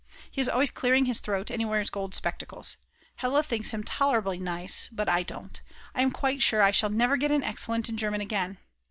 He is always clearing his throat and he wears gold spectacles. Hella thinks him tolerably nice, but I don't. I'm quite sure that I shall never get an Excellent in German again.